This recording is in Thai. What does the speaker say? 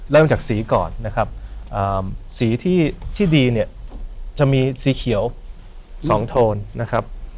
เริ่มจากสีก่อนนะครับสีที่ดีเนี่ยจะมีสีเขียว๒โทนนะครับ